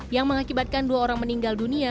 yang mengakibatkan dua orang meninggal dunia